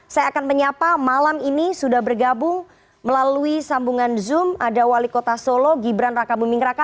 saya akan menyapa malam ini sudah bergabung melalui sambungan zoom ada wali kota solo gibran raka buming raka